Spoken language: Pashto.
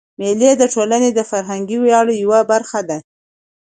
مېلې د ټولني د فرهنګي ویاړو یوه برخه ده.